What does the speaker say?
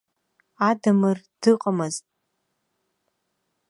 Адамыр дыҟамызт.